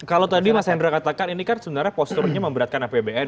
kalau tadi mas hendra katakan ini kan sebenarnya posturnya memberatkan apbn